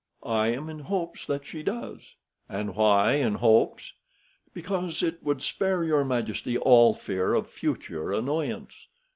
"I am in hopes that she does." "And why in hopes?" "Because it would spare your majesty all fear of future annoyance.